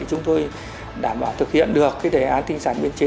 chúng tôi đảm bảo thực hiện được đề án tinh giản nguyên chế